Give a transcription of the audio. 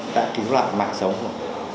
đã cứu lại mạng sống